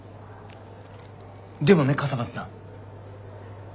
でもね笠松さん。